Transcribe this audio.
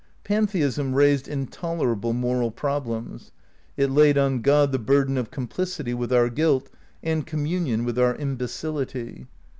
Pantheism raised intolerable moral problems. It laid on God the burden of complicity with our guilt and communion with our imbecility.